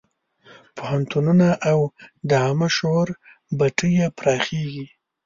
پوهنتونونه او د عامه شعور بټۍ یې پراخېږي.